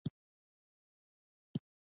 د زړه ضربان مې زیات شوئ دی.